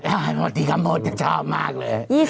หมดทีคำหมดชอบมากเลย